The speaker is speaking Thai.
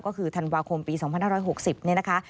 ก็คือธันวาคมปี๒๖๖๐นะคะ